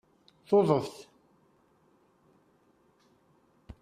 Tuḍeft